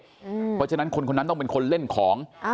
เพราะฉะนั้นคนคนนั้นต้องเป็นคนเล่นของ